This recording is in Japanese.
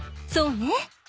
そうね。